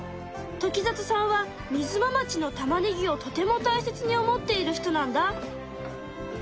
時里さんはみづま町のたまねぎをとても大切に思っている人なんだ。